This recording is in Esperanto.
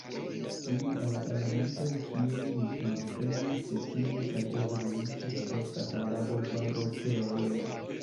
Unu el la elementoj, kiujn li transprenis de tiuj kaj evoluigis, estas la laborvalorteorio.